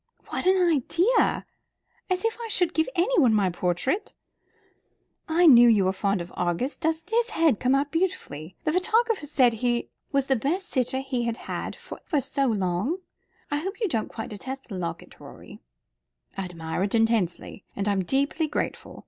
"What an idea! As if I should give anyone my portrait. I knew you were fond of Argus. Doesn't his head come out beautifully? The photographer said he was the best sitter he had had for ever so long. I hope you don't quite detest the locket, Rorie." "I admire it intensely, and I'm deeply grateful.